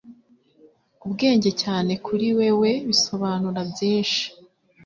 ubwenge cyane kuri wewe bisobanura byinshi